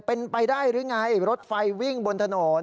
เป็นไปได้หรือไงรถไฟวิ่งบนถนน